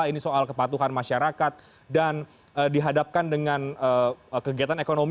ini soal kepatuhan masyarakat dan dihadapkan dengan kegiatan ekonomi